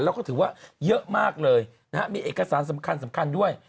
เราก็ถือว่าเยอะมากเลยมีเอกสารสำคัญด้วย